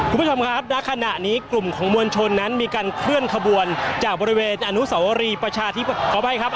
คุณผู้ชมครับณขณะนี้กลุ่มของมวลชนนั้นมีการเคลื่อนขบวนจากบริเวณอนุสาวรีประชาธิปัตย์ขออภัยครับ